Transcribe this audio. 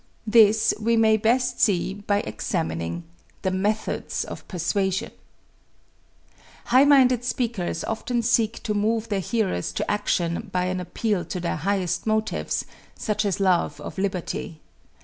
This we may best see by examining The Methods of Persuasion High minded speakers often seek to move their hearers to action by an appeal to their highest motives, such as love of liberty.